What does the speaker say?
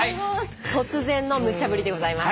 突然のむちゃ振りでございます。